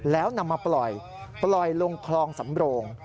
แล้วนำมาปล่อยปล่อยลงคลองสำโรง